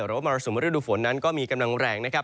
มรสุมฤดูฝนนั้นก็มีกำลังแรงนะครับ